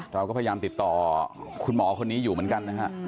เราก็พยายามติดต่อคุณหมอคนนี้อยู่เหมือนกันนะฮะ